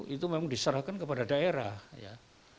itu memang diserahkan kepada dasar masjid